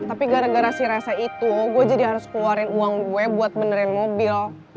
tapi gara gara si rasa itu gue jadi harus keluarin uang gue buat benerin mobil